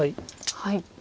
はい。